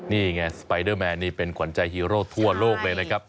นี่ไงสไปเดอร์แมนนี่เป็นขวัญใจฮีโร่ทั่วโลกเลยนะครับ